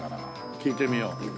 聞いてみよう。